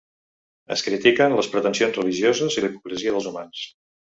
Es critiquen les pretensions religioses i la hipocresia dels humans.